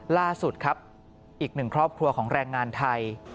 ล่าสุดครับอีกหนึ่งครอบครัวของแรงงานไทย